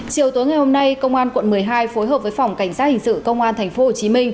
chiều tối ngày hôm nay công an quận một mươi hai phối hợp với phòng cảnh sát hình sự công an tp hcm